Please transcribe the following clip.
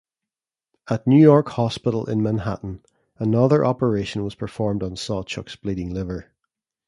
At New York Hospital in Manhattan, another operation was performed on Sawchuk's bleeding liver.